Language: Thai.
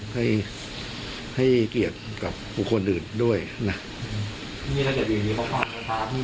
ให้ให้เกียรติกับผู้คนอื่นด้วยนะนี่เราจะดูดีกว่าความท้าพี่ด้วย